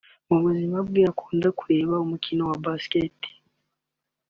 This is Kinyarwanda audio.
Mu buzima bwe akunda kureba umukino wa basketball